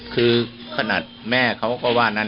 คือขนาดแม่เขาก็ว่านั้น